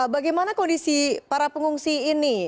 bagaimana kondisi para pengungsi ini